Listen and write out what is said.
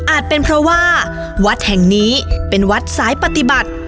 เป็นเพราะว่าวัดแห่งนี้เป็นวัดสายปฏิบัติ